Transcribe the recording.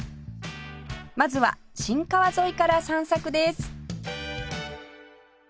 まずは新川沿いから散策です